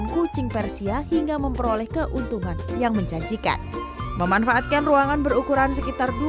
kucing persia hingga memperoleh keuntungan yang menjanjikan memanfaatkan ruangan berukuran sekitar